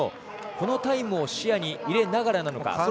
このタイムを視野に入れながらなのか。